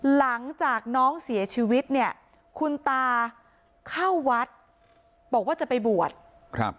หลังจากน้องเสียชีวิตเนี่ยคุณตาเข้าวัดบอกว่าจะไปบวชครับ